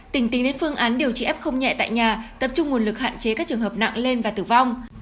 tỉnh tính đến phương án điều trị f nhẹ tại nhà tập trung nguồn lực hạn chế các trường hợp nặng lên và tử vong